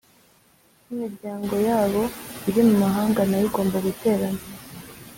nkimiryango yabo iri mumahanga nayo igomba guterana